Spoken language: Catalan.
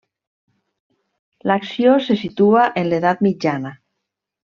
L'acció se situa en l'edat mitjana.